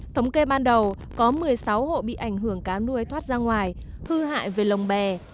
thống kê ban đầu có một mươi sáu hộ bị ảnh hưởng cá nuôi thoát ra ngoài hư hại về lồng bè